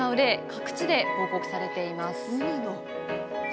各地で報告されています。